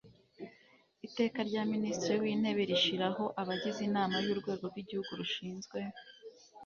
Iteka rya Minisitiri w Intebe rishyiraho abagize Inama y Urwego rw Igihugu rushinzwe